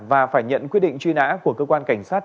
và phải nhận quyết định truy nã của cơ quan cảnh sát